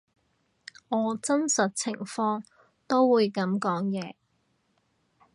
我真實情況都會噉講嘢